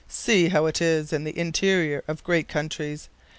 See how it is in the interior of great countries.